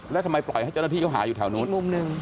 แล้วทำไมปล่อยให้เจ้าหน้าที่เขาหาอยู่แถวนู้นอีกมุมหนึ่ง